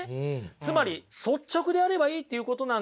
つまり率直であればいいっていうことなんですよ。